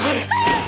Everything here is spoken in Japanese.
あっ！